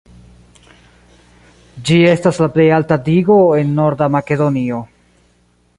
Ĝi estas la plej alta digo en Norda Makedonio.